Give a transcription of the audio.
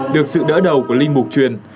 được sự đỡ đầu của linh mục truyền